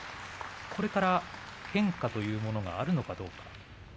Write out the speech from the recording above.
これから変化というものがあるのかどうか。